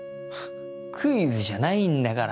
クイズじゃないんだから。